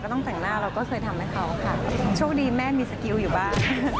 ต้องแต่งหน้าเราก็เคยทำให้เขาค่ะโชคดีแม่มีสกิลอยู่บ้าง